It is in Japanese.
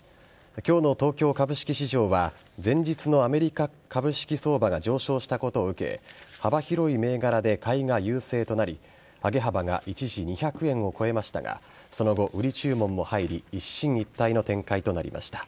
今日の東京株式市場は前日のアメリカ株式相場が上昇したことを受け幅広い銘柄で買いが優勢となり上げ幅が一時２００円を超えましたがその後、売り注文も入り一進一退の展開となりました。